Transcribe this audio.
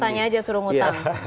swastanya saja suruh ngutang